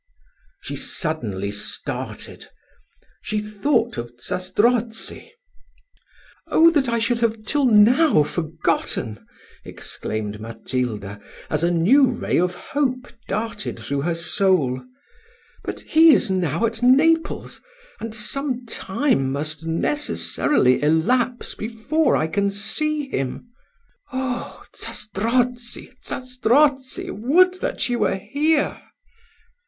She suddenly started she thought of Zastrozzi. "Oh! that I should have till now forgotten Zastrozzi," exclaimed Matilda, as a new ray of hope darted through her soul. "But he is now at Naples, and some time must necessarily elapse before I can see him. "Oh, Zastrozzi, Zastrozzi! would that you were here!"